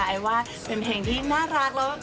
ไอ้ว่าเป็นเพลงที่น่ารักแล้ว